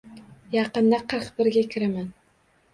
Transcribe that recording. Yaqinda qirq birga kiraman.